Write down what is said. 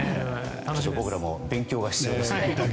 僕らも勉強が必要ですね。